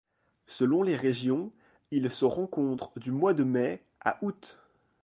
Selon les régions, il se rencontre du mois de mai à août.